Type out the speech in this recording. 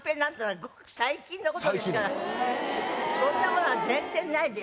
そんなものは全然ないです。